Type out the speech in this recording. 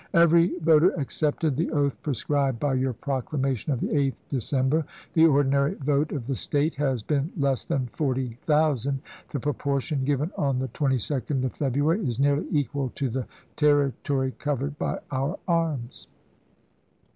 Every voter accepted the oath prescribed by your proclamation of the 8th December. .. The ordinary vote of the State has ^ggg been less than forty thousand. The proportion toLfSn, given on the 22d of February is nearly equal to the Jef ms. territory covered by our arms."